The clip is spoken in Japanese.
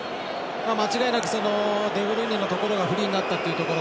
間違いなくデブルイネのところがフリーになったということ